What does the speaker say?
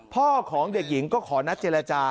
พ่อของเด็กหญิงก็ขอนัดเจรจา